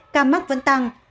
ca mắc vẫn tăng